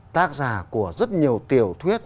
tác giả của rất nhiều tiểu thuyết